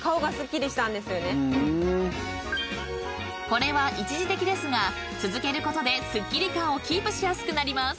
［これは一時的ですが続けることですっきり感をキープしやすくなります］